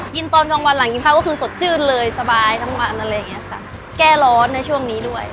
กินตอนกลางวันหลังกินพักก็คือสดชื่นเลยสบายทั้งหมดแก้ร้อนในช่วงนี้ด้วย